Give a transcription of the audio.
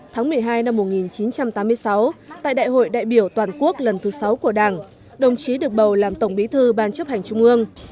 tháng một mươi hai năm một nghìn chín trăm tám mươi sáu tại đại hội đại biểu toàn quốc lần thứ sáu của đảng đồng chí được bầu làm tổng bí thư ban chấp hành trung ương